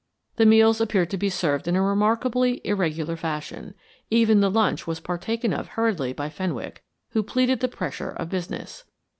The meals appeared to be served in a remarkably irregular fashion; even the lunch was partaken of hurriedly by Fenwick, who pleaded the pressure of business.